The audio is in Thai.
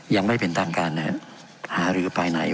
ยังไม่เป็นทางการหารือไปไหน